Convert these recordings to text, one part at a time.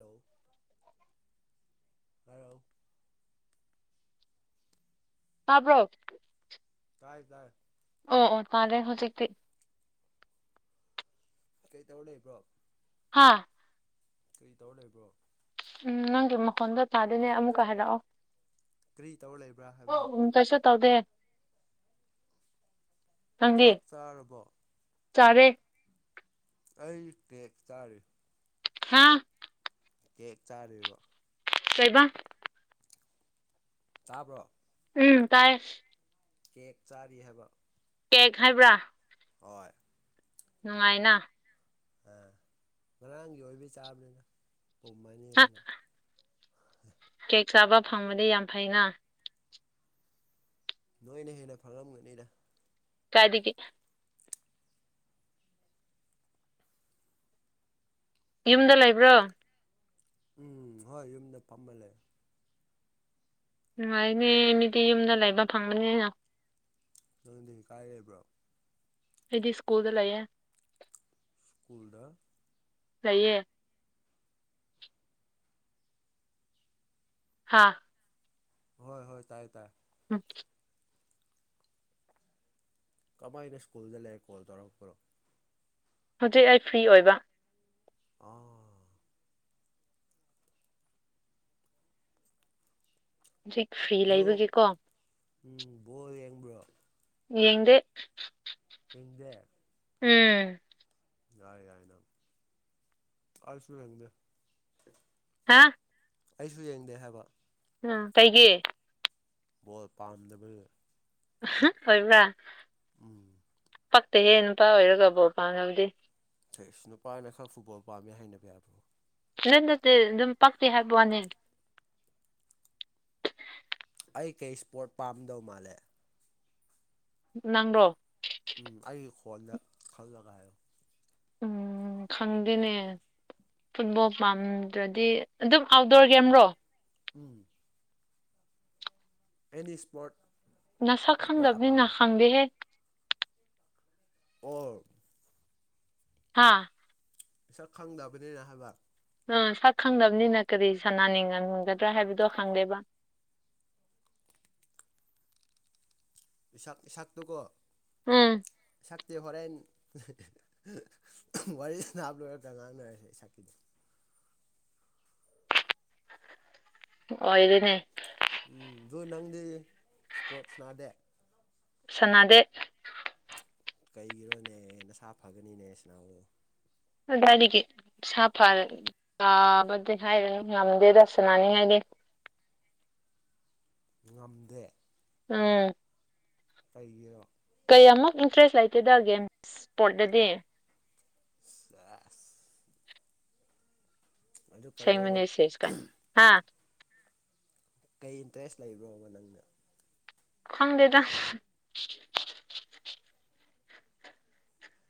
Hello ꯍꯥꯎ [inaudible] ꯇꯥꯕ꯭ꯔꯣ ꯇꯥꯏ ꯇꯥꯏ ꯑꯣ ꯑꯣ ꯇꯔꯦ ꯍꯧꯖꯤꯛꯇꯤ ꯀꯩꯇꯧ ꯂꯩꯕ꯭ꯔꯣ ꯍꯥꯥ ꯀꯔꯤ ꯇꯧꯔ ꯂꯩꯕꯣ ꯎꯝ ꯅꯪꯒꯤ ꯃꯈꯣꯟꯗꯣ ꯇꯥꯗꯨꯅꯦ ꯑꯃꯨꯛꯀ ꯍꯥꯏꯔꯛꯑꯣ ꯀꯔꯤ ꯇꯧꯔ ꯂꯩꯕ꯭ꯔꯥ ꯍꯥꯏꯕ ꯀꯩꯁꯨ ꯇꯧꯗꯦ ꯆꯥꯛ ꯆꯥꯔꯕꯣ ꯆꯔꯦ ꯑꯩ ꯀꯦꯛ ꯆꯥꯔꯤ ꯍꯥ ꯀꯦꯛ ꯆꯥꯔꯤꯕꯣ ꯀꯩꯕ ꯇꯥꯕ꯭ꯔꯣ ꯎꯝ ꯇꯥꯏꯌꯦ ꯀꯦꯛ ꯆꯥꯔꯤ ꯍꯥꯏꯕ ꯀꯦꯛ ꯍꯥꯏꯕ꯭ꯔꯥ ꯍꯣꯏ ꯅꯨꯡꯉꯥꯏꯅ ꯑꯥ ꯉꯔꯥꯡꯒꯤ ꯑꯣꯏꯕꯩ ꯆꯥꯕꯅꯤꯗ ꯄꯨꯝꯃꯅꯤ ꯍꯥ ꯍꯥꯏꯅ ꯀꯦꯛ ꯆꯥꯕ ꯐꯪꯕꯗꯤ ꯌꯥꯝ ꯐꯩꯅ ꯅꯣꯏꯅ ꯍꯦꯟꯅ ꯐꯪꯉꯝꯒꯅꯤꯗ ꯀꯥꯏꯗꯒꯤ ꯌꯨꯝꯗ ꯂꯩꯕ꯭ꯔꯣ ꯎꯝ ꯍꯣꯏ ꯌꯨꯝꯗ ꯐꯝꯃ ꯂꯩ ꯅꯨꯡꯉꯥꯢꯅꯦ ꯃꯤꯗꯤ ꯌꯨꯝꯗ ꯂꯩꯕ ꯐꯪꯒꯅꯤꯅ ꯅꯪꯗꯤ ꯀꯥꯏ ꯂꯩꯕ꯭ꯔꯣ ꯑꯩꯗꯤ ꯁ꯭ꯀꯨꯜꯗ ꯂꯩꯌꯦ ꯁ꯭ꯀꯨꯜꯗ ꯁꯩꯌꯦ ꯍꯥꯥ ꯍꯣꯏ ꯍꯣꯏ ꯇꯥꯏꯌꯦ ꯇꯥꯏ ꯎꯝ ꯀꯃꯥꯏꯅ ꯁ꯭ꯀꯨꯜꯗ ꯂꯩꯔꯦ ꯀꯣꯜ ꯇꯧꯔꯛꯄ꯭ꯔꯣ ꯍꯧꯖꯤꯛ ꯑꯩ ꯐ꯭ꯔꯤ ꯑꯣꯏꯕ ꯑꯥ ꯍꯧꯖꯤꯛ ꯐ꯭ꯔꯤ ꯑꯗꯨ ꯂꯩꯕꯒꯤꯀꯣ ꯎꯝ ꯕꯣꯜ ꯌꯦꯡꯕ꯭ꯔꯣ ꯌꯦꯗꯦ ꯍꯦꯗꯦ ꯎꯝ ꯌꯥꯏ ꯌꯥꯏ ꯅꯪ ꯑꯩꯁꯨ ꯌꯦꯟꯗ ꯍꯥꯥ ꯑꯩꯁꯨ ꯌꯦꯡꯗꯦ ꯍꯥꯏꯕ ꯍꯥ ꯀꯩꯒꯤ ꯕꯣꯜ ꯄꯥꯝꯗꯕꯒꯤ ꯑꯣꯏꯕ꯭ꯔꯥ ꯎꯝ ꯄꯛꯇ ꯍꯦ ꯅꯨꯄꯥ ꯑꯣꯏꯔꯒ ꯕꯣꯜ ꯄꯥꯝꯗꯕꯗꯤ ꯁꯤꯏ ꯅꯨꯄꯥꯅ ꯈꯔ ꯐꯨꯠꯕꯣꯜ ꯄꯥꯝꯃꯦ ꯍꯥꯏꯅꯕ ꯌꯥꯕ꯭ꯔꯣ ꯍꯦꯔ ꯅꯠꯇꯦ ꯑꯗꯨꯝ ꯄꯛꯇꯦ ꯍꯥꯏꯕꯩ ꯋꯥꯅꯦ ꯑꯩ ꯀꯩ ꯏꯁꯄꯣꯔꯠ ꯄꯥꯝꯗꯧ ꯃꯥꯜꯂꯦ ꯅꯪꯔꯣ ꯎꯝ ꯑꯩꯒꯤ ꯈꯣꯟꯗ ꯈꯜꯂꯒ ꯍꯥꯏꯌꯣ ꯎꯝ ꯈꯪꯗꯦꯅꯦ ꯐꯨꯠꯕꯣꯜ ꯄꯥꯝꯗ꯭ꯔꯗꯤ ꯑꯗꯨꯝ ꯑꯥꯎꯠꯗꯣꯔ ꯒꯦꯝꯔꯣ ꯎꯝ ꯑꯦꯅꯤ ꯏꯁꯄꯣꯔꯠ ꯅꯪ ꯁꯛ ꯏꯁꯄꯣꯔꯠ ꯈꯪꯗꯕꯅꯤꯅ ꯑꯄꯥꯝꯕ ꯈꯪꯗꯦꯍꯦ ꯑꯣ ꯍꯥꯥ ꯁꯛ ꯈꯪꯗꯕꯅꯤꯅ ꯍꯥꯏꯕ ꯑ ꯁꯛ ꯈꯪꯗꯕꯅꯤꯅ ꯀꯔꯤ ꯁꯅꯥꯅꯤꯡꯉꯝꯒꯗ꯭ꯔꯥ ꯍꯥꯏꯕꯗꯣ ꯈꯪꯗꯦꯕ ꯏꯁꯥꯛ ꯏꯁꯥꯛꯇꯨꯀꯣ ꯎꯝ ꯁꯛꯇꯤ ꯍꯣꯔꯦꯟ ꯋꯥꯔꯤ ꯁꯥꯅꯥꯕ ꯂꯣꯏꯔꯒ ꯉꯥꯡꯅꯔꯁꯦ ꯁꯛꯀꯤꯗꯤ ꯑꯣꯏꯔꯦꯅꯦ ꯎꯝ ꯗꯣ ꯅꯪꯗꯤ ꯏꯁ꯭ꯄꯣꯔꯠꯁ ꯁꯥꯟꯅꯗꯦ ꯁꯥꯟꯅꯗꯦ ꯀꯩꯒꯤꯔꯣꯅꯦ ꯅꯁꯥ ꯐꯒꯅꯤꯅꯦ ꯁꯥꯟꯅꯥꯎ ꯀꯥꯗꯥꯏꯗꯒꯤ ꯁꯥꯥ ꯐꯔꯦ ꯌꯥꯥꯕꯗꯤ ꯍꯥꯏꯔꯅꯨ ꯉꯝꯗꯦ ꯁꯅꯥꯅꯤꯡꯉꯥꯏꯗꯤ ꯉꯝꯗꯦ ꯎꯝ ꯀꯩꯒꯤꯔꯣ ꯀꯩꯌꯥꯃꯨꯛ ꯏꯟꯇꯔꯦꯁ ꯂꯩꯇꯦꯗ ꯒꯦꯝ ꯏꯁꯄꯣꯔꯠꯇꯗꯤ ꯁꯦꯁ ꯑꯗꯨ ꯀꯩꯅꯣꯕ ꯁꯦꯝꯕꯅꯦ ꯁꯦꯁꯀꯥꯏ ꯍꯥ ꯀꯩ ꯏꯟꯇꯔꯦꯁ ꯂꯩꯕ꯭ꯔꯣꯕ ꯅꯪꯅ ꯈꯪꯗꯦꯗ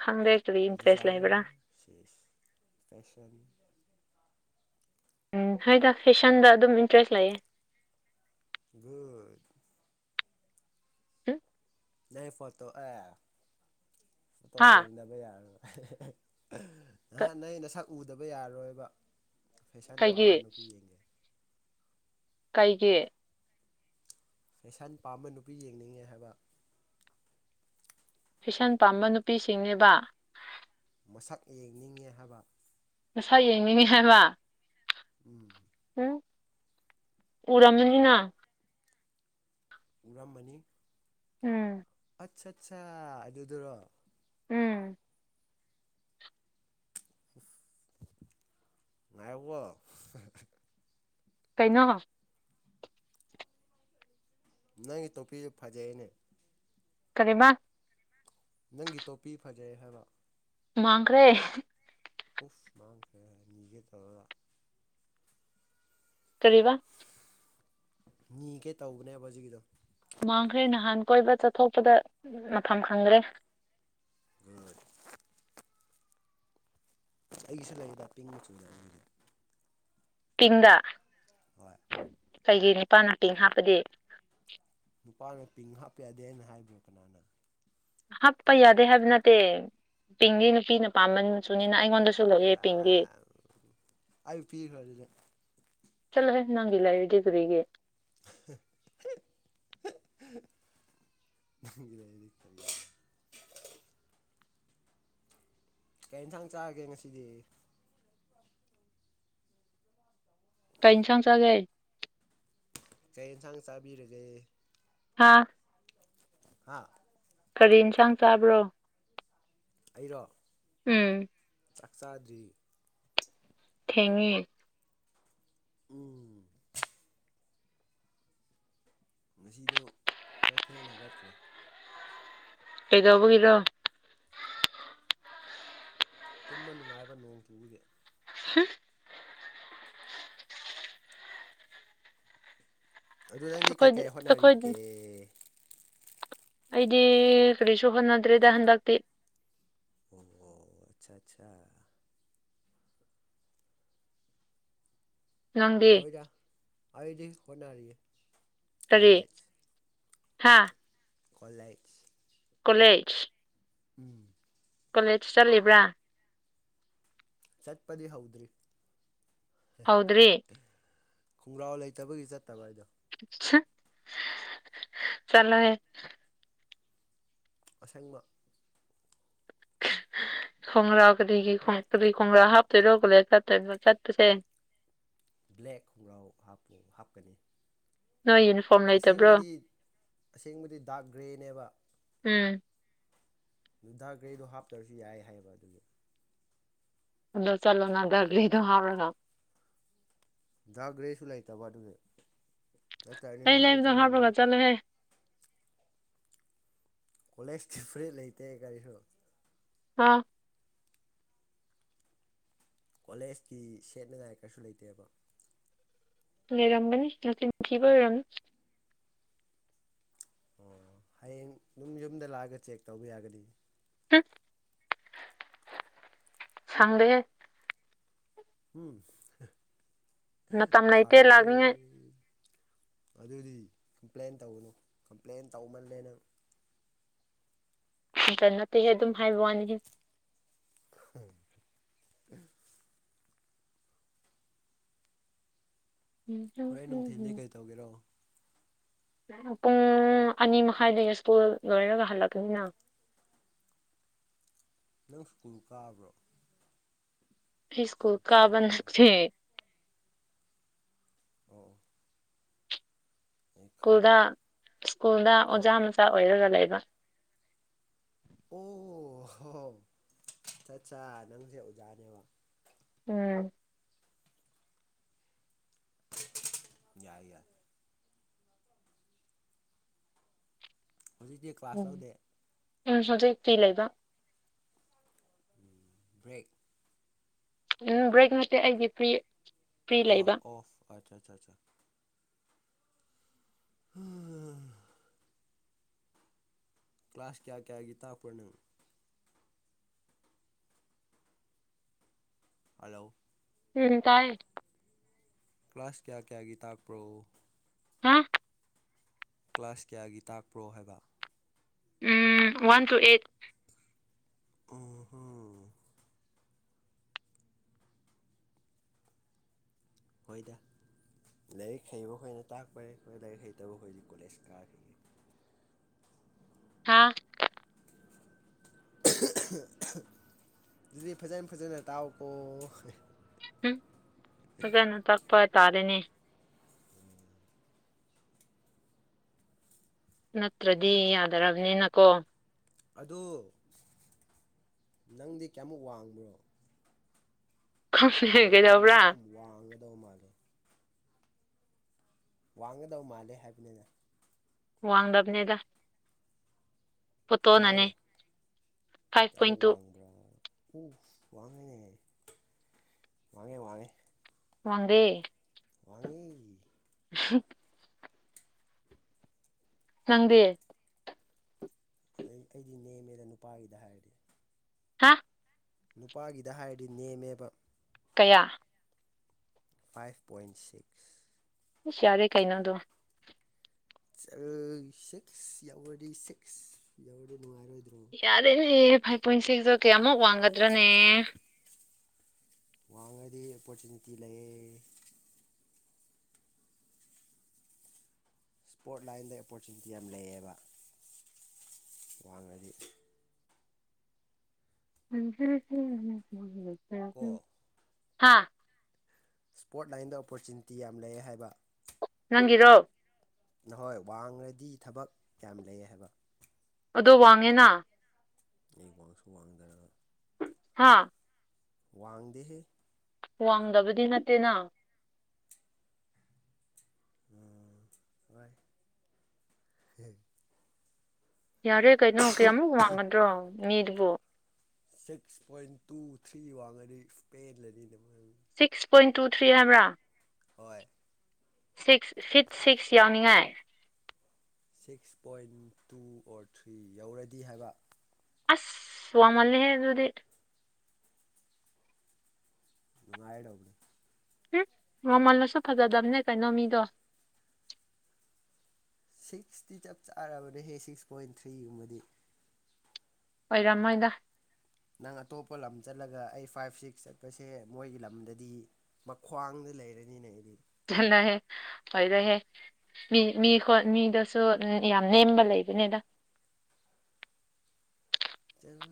ꯈꯪꯗꯦ ꯀꯔꯤ ꯏꯟꯇꯔꯦꯁ ꯂꯩꯕ꯭ꯔꯥ ꯗꯤꯖꯥꯏꯅꯔ ꯆꯦꯁ ꯐꯦꯁꯟ ꯎꯝ ꯍꯥꯏꯗ ꯐꯦꯁꯟꯗ ꯑꯗꯨꯝ ꯏꯟꯇꯔꯦꯁ ꯂꯩꯌꯦ ꯒꯨꯠ [unintelligible] [unintelligible] ꯐꯣꯇꯣ ꯑꯦ ꯐꯣꯇꯣ ꯍꯥ ꯌꯦꯡꯗꯅꯕ ꯌꯥꯔꯣꯏ ꯅꯍꯥꯟ ꯅꯪꯒꯤ ꯅꯁꯛ ꯎꯗꯕ ꯌꯥꯔꯔꯣꯏꯕ ꯐꯦꯁꯟ ꯀꯩꯒꯤ ꯄꯥꯝꯕ ꯅꯨꯄꯤ ꯌꯦꯡꯒꯦ ꯀꯩꯒꯤ ꯐꯦꯁꯟ ꯄꯥꯝꯕ ꯅꯨꯄꯤ ꯌꯦꯡꯅꯤꯡꯉꯦ ꯍꯥꯏꯕ ꯐꯦꯁꯟ ꯄꯥꯝꯕ ꯅꯨꯄꯤꯁꯤꯡꯅꯦꯕ ꯃꯁꯛ ꯌꯦꯡꯅꯤꯡꯉꯦ ꯍꯥꯏꯕ ꯃꯁꯛ ꯌꯦꯡꯅꯤꯡꯅꯦ ꯍꯥꯏꯕ ꯎꯝ ꯎꯝ ꯎꯔꯝꯃꯅꯤꯅ ꯎꯔꯝꯃꯅꯤ ꯎꯝ ꯑꯠ ꯁꯠꯆꯥ ꯑꯗꯨꯗꯨꯔꯣ ꯎꯝ [unintelligible] ꯉꯥꯏꯌꯣꯕꯣ ꯀꯩꯅꯣ ꯅꯪꯒꯤ ꯇꯣꯄꯤꯁꯦ ꯐꯖꯩꯅꯦ ꯀꯔꯤꯕ ꯅꯪꯒꯤ ꯇꯣꯄꯤ ꯐꯖꯩ ꯍꯥꯏꯕ ꯃꯥꯡꯈ꯭ꯔꯦ ꯎꯐ ꯃꯥꯡꯈ꯭ꯔꯦ ꯅꯤꯒꯦ ꯇꯧꯔꯒ ꯀꯔꯤꯕ ꯅꯤꯒꯦ ꯇꯧꯕꯅꯦꯕ ꯖꯤꯒꯤꯗꯣ ꯃꯥꯡꯈ꯭ꯔꯦ ꯅꯍꯥꯟ ꯀꯣꯏꯕ ꯆꯠꯊꯣꯛꯄꯗ ꯃꯐꯝ ꯈꯪꯗ꯭ꯔꯦ [unintelligible] ꯑꯩꯒꯤꯁꯨ ꯂꯩꯗ ꯄꯤꯡ ꯃꯆꯨꯗ ꯑꯩꯒꯤꯗꯤ ꯇꯤꯡꯗ ꯍꯣꯏ ꯀꯩꯒꯤ ꯅꯤꯄꯥꯅ ꯄꯤꯡ ꯍꯥꯞꯄꯗꯤ ꯅꯨꯄꯥꯅ ꯄꯤꯡ ꯍꯥꯞꯄ ꯌꯥꯗꯦꯅ ꯍꯥꯏꯕ꯭ꯔꯣ ꯀꯅꯥꯅ ꯍꯥꯞꯄ ꯌꯥꯗꯦ ꯍꯥꯏꯕ ꯅꯠꯇꯦ ꯄꯤꯡꯒꯤ ꯅꯨꯄꯤꯅ ꯄꯥꯝꯕ ꯃꯁꯨꯅꯤꯅ ꯑꯩꯉꯣꯟꯗꯁꯨ ꯂꯩꯌꯦ ꯄꯤꯡꯗꯤ ꯑꯩꯌꯨ ꯄꯤꯈ꯭ꯔ ꯑꯗꯨꯅꯦ ꯆꯠꯂ ꯅꯪꯂ ꯏꯗꯤꯗꯨꯔꯤꯒꯤ [unintelligible] [unintelligible] [inaudible] ꯀꯔꯤ ꯏꯟꯊꯥꯡ ꯆꯥꯔꯒꯦ ꯉꯁꯤꯗꯤ ꯀꯥꯏꯩꯅ ꯁꯪ ꯆꯒꯦ ꯀꯩ ꯌꯦꯟꯁꯥꯡ ꯆꯥꯕꯤꯔꯒꯦ ꯍꯥꯥ [unintelligible] ꯍꯥꯥ ꯀꯔꯤ ꯌꯦꯟꯁꯥꯡ ꯆꯥꯕ꯭ꯔꯣ ꯑꯩꯔꯣ ꯎꯝ ꯆꯥꯛ ꯆꯥꯗ꯭ꯔꯤ ꯊꯦꯡꯉꯦ ꯎꯝ ꯉꯁꯤꯗꯣ ꯈꯔ ꯊꯦꯡꯅ ꯍꯧꯒꯠꯈ꯭ꯔꯦ ꯀꯩꯗꯧꯕꯒꯤꯔꯣ ꯇꯨꯝꯕ ꯅꯨꯡꯉꯥꯏꯕ ꯅꯣꯡ ꯆꯨꯕꯒꯤ [unintelligible] ꯑꯗꯨ ꯅꯪꯗꯤ ꯑꯩꯈꯣꯏꯗꯤ ꯀꯩꯀꯩ ꯑꯩꯈꯣꯏꯗꯤ ꯍꯣꯠꯅꯔꯤꯒꯦ ꯑꯩꯗꯤ ꯀꯔꯤꯁꯨ ꯍꯣꯟꯅꯗ꯭ꯔꯦꯗ ꯍꯟꯗꯛꯇꯤ ꯑꯣ ꯑꯣ ꯑꯆꯥ ꯑꯆꯥ ꯅꯪꯗꯤ ꯍꯣꯏꯗ ꯑꯩꯗꯤ ꯍꯣꯠꯅꯔꯤꯌꯦ ꯀꯔꯤ ꯀꯣꯂꯦꯖ ꯍꯥ ꯀꯂꯦ ꯀꯣꯂꯦꯖ ꯎꯝ ꯀꯣꯂꯦꯖ ꯆꯠꯂꯤꯕ꯭ꯔꯥ ꯆꯠꯄꯗꯤ ꯍꯧꯗ꯭ꯔꯤ ꯍꯧꯗ꯭ꯔꯤ ꯈꯣꯡꯒ꯭ꯔꯥꯎ ꯂꯩꯇꯕꯒꯤ ꯆꯠꯇꯕ ꯍꯥꯏꯗꯣ ꯆꯂꯣ ꯍꯦ ꯑꯁꯦꯡꯕ ꯈꯣꯡꯒ꯭ꯔꯥ ꯀꯔꯤꯒꯤꯣꯡ ꯀꯔꯤ ꯈꯣꯡꯒ꯭ꯔꯥ ꯍꯥꯞꯇꯣꯏꯔꯣ ꯀꯂ ꯆꯠꯇꯣꯏ ꯆꯠꯄꯁꯦ ꯕ꯭ꯂꯦꯛ ꯈꯣꯡꯒ꯭ꯔꯥꯎ ꯍꯥꯄꯨ ꯍꯥꯞꯀꯅꯤ ꯅꯣꯏꯅ ꯑꯁꯦꯡꯕꯗꯤ ꯑꯁꯦꯡꯕꯗꯤ ꯗꯥꯛ ꯒ꯭ꯔꯦꯅꯦꯕ ꯎꯝ ꯅꯨꯡꯗꯥ ꯒꯔꯤꯗꯣ ꯍꯥꯞꯇ꯭ꯔꯁꯨ ꯌꯥꯏ ꯍꯥꯏꯌꯦꯕ ꯑꯗꯨꯒꯤ ꯑꯗꯨꯗꯣ ꯆꯂꯣꯅꯗꯔꯂꯤ ꯑꯗꯨꯣ ꯍꯥꯒ ꯗꯗꯥ ꯭ꯔꯦꯁꯨ ꯂꯩꯇꯕ ꯑꯗꯨꯗꯤ ꯅꯠꯇꯔꯅꯤ ꯑꯩ ꯅꯍꯥꯟ ꯂꯩꯕꯗꯣ ꯍꯥꯞꯄꯒ ꯆꯠꯂꯝꯃꯅꯤ ꯆꯠꯂꯣꯍꯦ ꯀꯣꯂꯦꯖꯀꯤ ꯐꯨꯔꯤꯠ ꯂꯩꯇꯦ ꯀꯔꯤꯁꯨ ꯑꯥ ꯀꯣꯂꯦꯖꯀꯤ ꯁꯦꯠꯅꯉꯥꯏ ꯀꯔꯤꯁꯨ ꯂꯩꯇꯦꯕ ꯂꯔꯝꯝꯕꯅꯤ ꯅ ꯊꯈꯤꯕ ꯑꯣꯏꯔꯝ ꯑꯣ ꯍꯌꯦꯡ ꯌꯨꯝ ꯌꯨꯝꯗ ꯂꯥꯛꯑꯒ ꯆꯦꯛ ꯇꯧꯕ ꯌꯥꯒꯅꯤ ꯝ ꯁꯪꯗꯦ ꯎꯝ ꯃꯇꯝ ꯂꯩꯇꯦ ꯈꯪꯗ ꯂꯥꯛꯅꯤꯡꯉꯥꯏ ꯑꯗꯨꯗꯤ ꯀꯝꯄ꯭ꯂꯦꯟ ꯇꯧꯒꯅꯨ ꯀꯝꯄ꯭ꯂꯦꯟ ꯇꯧꯃꯜꯂꯦꯅ ꯑꯗꯨꯇ ꯅꯠꯇꯦꯍꯦ ꯑꯗꯨꯝ ꯍꯥꯏꯕ ꯋꯥꯅꯤꯍꯦ ꯎꯝ ꯍꯣꯔ ꯑꯩ ꯅꯨꯡꯊꯤꯟꯗꯤ ꯀꯩ ꯇꯧꯒꯦꯔꯣ ꯄꯨꯡ ꯑꯅꯤ ꯃꯈꯥꯏꯗꯒꯤ ꯁ꯭ꯀꯨꯜ ꯂꯣꯏꯔꯒ ꯍꯜꯂꯛꯄꯅꯤꯅ ꯅꯪ ꯁ꯭ꯀꯨꯜ ꯀꯥꯕ꯭ꯔꯣ ꯏꯁ꯭ꯀꯨꯜ ꯀꯥꯕꯟ ꯑꯠꯆꯥ ꯁꯛꯦ ꯑꯣ ꯑꯩ ꯁ꯭ꯀꯨꯜꯗ ꯈꯪꯗꯦ ꯁ꯭ꯀꯨꯜꯗ ꯑꯣ ꯑꯣꯖꯥ ꯃꯆꯥ ꯑꯣꯏꯔꯒ ꯂꯩꯕ ꯑꯣ ꯍꯣ ꯆꯠ ꯆꯥ ꯅꯪꯁꯦ ꯑꯣꯖꯥꯅꯦꯕ ꯎꯝ ꯌꯥꯏ ꯌꯥꯏ ꯍꯧꯖꯤꯛꯇꯤ ꯀ꯭ꯂꯥꯁ ꯎꯝ ꯂꯧꯗꯦ ꯎꯝ ꯍꯧꯖꯤꯛ ꯐꯤ ꯂꯩꯕ ꯕ꯭ꯔꯦꯛ ꯎꯝ ꯭ꯔꯦꯛ ꯃꯠꯇꯦ ꯑꯩꯒꯤ ꯐꯔꯤ ꯑ ꯑꯣꯐ ꯑꯆꯥ ꯑ ꯑꯥ ꯀ꯭ꯂꯥꯁ ꯀꯌꯥ ꯀꯌꯥꯒꯤ ꯇꯥꯛꯄ꯭ꯔ ꯅꯪ ꯍꯜꯂꯣ ꯎꯝ ꯇꯥꯏ ꯀ꯭ꯂꯥꯁ ꯀꯌꯥ ꯀꯌꯥꯒꯤ ꯇꯥꯛꯄ꯭ꯔꯣ ꯍꯥ ꯀ꯭ꯂꯥꯁ ꯀꯌꯥꯒꯤ ꯇꯥꯛꯄ꯭ꯔꯣ ꯍꯥꯏꯕ ꯎꯝ ꯋꯥꯟ ꯇꯨ ꯑꯩꯠ ꯑꯣ ꯍꯣ ꯍꯣꯏꯗ ꯂꯥꯏꯔꯤꯛ ꯍꯩꯕ ꯈꯣꯏꯅ ꯇꯥꯛꯄꯩ ꯍꯣꯏ ꯂꯥꯏꯔꯤꯛ ꯍꯩꯇꯕ ꯍꯣꯏꯗꯤ ꯀꯣꯂꯦꯖ ꯀꯥꯔꯦ ꯍꯥꯥ ꯑꯗꯨꯗꯤ ꯐꯖꯅ ꯐꯖꯅ ꯇꯥꯛꯑꯣꯀꯣ ꯎꯝ ꯐꯖꯅ ꯇꯥꯛꯄ ꯇꯥꯔꯦꯅꯦ ꯅꯠꯇ꯭ꯔꯗꯤ ꯌꯥꯗꯔꯕꯅꯤꯅ ꯀꯣ ꯑꯗꯨ ꯅꯪꯗꯤ ꯀꯌꯥꯃꯨꯛ ꯋꯥꯡꯕ꯭ꯔꯣ ꯐꯣꯇꯣ ꯈꯪꯗꯦ ꯑꯗꯨꯗꯤ ꯀꯩꯗꯧꯕ꯭ꯔꯥ ꯌꯥꯝ ꯋꯥꯡꯒꯗꯕ ꯃꯥꯜꯂꯦ ꯋꯥꯡꯒꯗꯕ ꯃꯥꯜꯂꯦ ꯍꯥꯏꯕꯅꯤꯅ ꯋꯥꯡ ꯗꯕꯅꯦꯗ ꯍꯥꯏꯅꯦ ꯐꯥꯏꯚ ꯄꯣꯏꯟ ꯀꯃꯨꯛ ꯇꯨ ꯋꯥꯡꯕ꯭ꯔꯥ ꯎ ꯋꯥꯉꯦꯅꯦ ꯋꯥꯉꯦ ꯋꯥꯉꯦ ꯋꯥꯡꯗꯦ ꯋꯥꯡꯉꯦ꯫ [unintelligible] ꯅꯪꯗꯤ ꯑꯩ ꯑꯩꯗꯤ ꯅꯦꯝꯃꯦꯗ ꯅꯨꯄꯥꯒꯤꯗ ꯍꯥꯏꯔꯗꯤ ꯍꯥ ꯅꯨꯄꯥꯒꯤꯗ ꯍꯥꯏꯔꯗꯤ ꯅꯦꯝꯃꯦꯕ ꯀꯌꯥ ꯐꯥꯏꯚ ꯄꯣꯏꯟ ꯁꯤꯛꯁ ꯌꯥꯔꯦ ꯀꯩ ꯅꯣ ꯑꯗꯨ, ꯁꯤꯛꯁ ꯌꯥꯎꯔꯗꯤ ꯁꯤꯛꯁ ꯌꯥꯎꯔꯗꯤ ꯅꯨꯡꯉꯥꯏꯔꯣꯏꯗ꯭ꯔꯣ ꯌꯥꯔꯦꯅꯦ ꯐꯥꯏꯚ ꯄꯣꯏꯟ ꯁꯤꯛꯁꯇꯣ ꯀꯌꯥꯃꯨꯛ ꯋꯥꯡꯒꯗ꯭ꯔꯅꯦ ꯋꯥꯡꯉꯗꯤ ꯑꯣꯄꯣꯔꯆꯨꯅꯤꯇꯤ ꯂꯩꯌꯦ ꯏꯁ꯭ꯄꯣꯔꯠ ꯂꯥꯏꯟꯗ ꯑꯣꯄꯣꯔꯆꯨꯅꯤꯇꯤ ꯌꯥꯝ ꯂꯩꯌꯦꯕ ꯋꯥꯡꯅꯗꯤ [unintelligible] ꯀꯣ ꯍꯥꯥ ꯁ꯭ꯄꯣꯔꯠ ꯂꯥꯏꯟꯗ ꯑꯣꯄꯣꯔꯆꯨꯅꯤꯇꯤ ꯌꯥꯝꯅ ꯂꯩ ꯍꯥꯏꯕ ꯅꯪꯒꯤꯔꯣ ꯅꯍꯣꯏ ꯋꯥꯡꯡꯂꯗꯤ ꯊꯕꯛ ꯝꯌꯥꯝ ꯂꯩ ꯍꯥꯏꯕ ꯑꯗꯣ ꯋꯥꯡꯉꯦꯅ ꯑꯩ ꯋꯥꯡꯁꯨ ꯋꯥꯡꯗꯔꯒ ꯍꯥꯥ ꯋꯥꯡꯗꯦꯍꯦ ꯋꯥꯡꯗꯕꯗꯤ ꯅꯠꯇꯦꯅ ꯇꯥꯏ ꯌꯥꯔꯦ ꯀꯩꯅꯣ ꯀꯌꯥꯃꯨꯛ ꯋꯥꯡꯒꯗ꯭ꯔꯣ ꯃꯤꯗꯨꯕꯣ ꯁꯤꯛꯁ ꯄꯣꯏꯟ ꯇꯨ ꯊ꯭ꯔꯤ ꯋꯥꯡꯉꯗꯤ ꯄꯦꯜꯂꯅꯤꯅꯦ ꯁꯤꯛꯁ ꯄꯣꯏꯟ ꯇꯨ ꯊ꯭ꯔꯤ ꯍꯥꯏꯕ꯭ꯔꯥ ꯍꯣꯏ ꯁꯤꯛꯁ ꯐꯤꯠ ꯁꯤꯛꯁ ꯌꯥꯎꯅꯤꯡꯉꯥꯏ six point two or three ꯌꯧꯔꯗꯤ ꯍꯥꯏꯕ ꯑꯁ ꯋꯥꯡꯃꯜꯂꯦꯍꯦ ꯑꯗꯨꯗꯤ ꯅꯨꯡꯉꯥꯏ ꯎꯝ ꯉꯧꯃꯜꯂꯁꯨ ꯐꯖꯗꯕꯅꯦ ꯀꯩꯅꯣ ꯃꯤꯗꯣ ꯁꯤꯛꯁꯇꯤ ꯆꯞ ꯆꯥꯔꯕꯅꯦꯍꯦ ꯁꯤꯛꯁ ꯄꯣꯏꯟ ꯊ꯭ꯔꯤꯒꯨꯝꯕꯗꯤ ꯑꯣꯏꯔꯝꯃꯣꯏꯗ ꯅꯪ ꯑꯇꯣꯞꯄ ꯂꯝ ꯆꯠꯂꯒ ꯑꯩ ꯐꯥꯏꯚ ꯁꯤꯛꯁ ꯆꯠꯄꯁꯦ ꯃꯣꯏꯒꯤ ꯂꯝꯗꯗꯤ ꯃꯈꯈ꯭ꯋꯥꯡꯗ ꯂꯩꯔꯅꯤꯅꯦ ꯑꯩꯗꯤ ꯆꯅꯍꯦ ꯐꯩꯗꯦ ꯍꯦ ꯃꯤ ꯃꯤ ꯈꯣꯠ ꯃꯤꯗꯁꯨ ꯌꯥꯝ ꯅꯦꯝꯕ ꯂꯩꯕꯅꯤꯗ ꯈꯤꯪ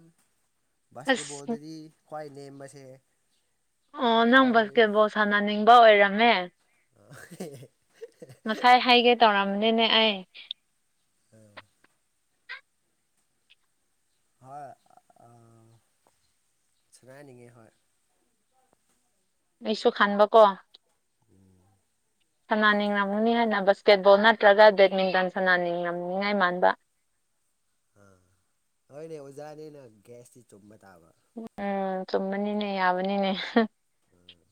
ꯑꯁ ꯕꯥꯁꯀꯦꯠꯕꯣꯜꯗꯗꯤ ꯈ꯭ꯋꯥꯏ ꯅꯦꯝꯕꯁꯦ ꯑꯣ ꯅꯪ ꯕꯥꯁꯀꯦꯠꯕꯣꯜ ꯁꯥꯟꯅꯅꯤꯡꯕ ꯑꯣꯏꯔꯝꯃꯦ ꯐꯥꯏꯚ ꯉꯁꯥꯏ ꯍꯥꯏꯒꯦ ꯇꯧꯔꯝꯅꯤꯅꯦ ꯑꯩ ꯎꯝ ꯍꯣꯏ ꯁꯅꯥꯅꯤꯡꯏꯅꯤꯡꯉꯦ ꯍꯣꯏ ꯑꯩꯁꯨ ꯈꯥꯟꯕ ꯀꯣ ꯎꯝ ꯁꯅꯥꯅꯤꯡꯉꯝꯒꯅꯤ ꯍꯥꯏꯅ ꯕꯁꯀꯦꯠꯕꯣꯜ ꯅꯠꯇ꯭ꯔꯒ ꯕꯦꯗꯃꯤꯟꯇꯟ ꯁꯅꯥꯅꯤꯡꯉꯝꯅꯤꯉꯥꯏ ꯃꯥꯟꯕ ꯑꯥ ꯍꯣꯏꯅꯦ ꯑꯣꯖꯥꯅꯤꯅ ꯒ꯭ꯌꯥꯁꯇꯤ ꯆꯨꯝꯕ ꯇꯥꯕ ꯎꯝ ꯆꯨꯝꯕꯅꯤꯅꯦ ꯌꯥꯕꯅꯤꯅꯦ ꯎꯝ